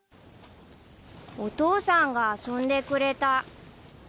［お父さんが遊んでくれた］